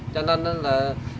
cho nên là